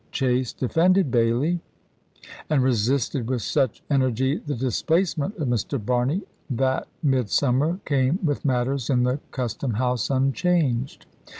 Chase defended Bailey, and resisted with such energy the displacement of Mr. Barney that mid summer came with matters in the custom house unchanged.